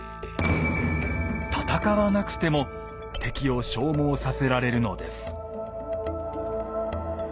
戦わなくても敵を消耗させられるのです。